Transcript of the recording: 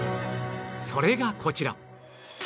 それがこちら